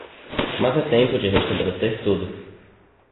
mas é tempo de restabelecer tudo.